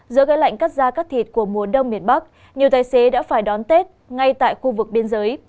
giữa cái lạnh cắt da cắt thịt của mùa đông miền bắc nhiều tài xế đã phải đón tết ngay tại khu vực biên giới